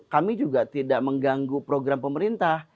kami juga tidak mengganggu program pemerintah